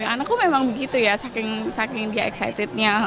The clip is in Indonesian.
anakku memang begitu ya saking dia excitednya